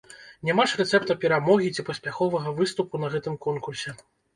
Няма ж рэцэпта перамогі ці паспяховага выступу на гэтым конкурсе.